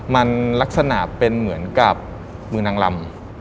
มันลักษณะเป็นเหมือนกับมือนางลำ